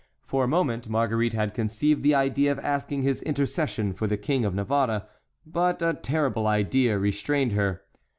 For a moment, Marguerite had conceived the idea of asking his intercession for the King of Navarre, but a terrible idea restrained her.